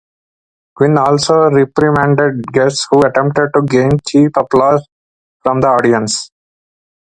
Quinn also reprimanded guests who attempted to gain cheap applause from the audience.